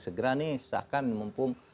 segera nih seakan mumpung